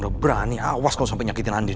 udah berani awas kalo sampe nyakitin andin